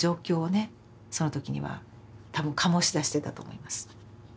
その時には多分醸し出してたと思います。